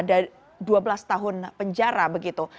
ada dua belas tahun penjara begitu